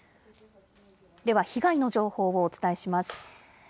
では、被害の情報をお伝えします。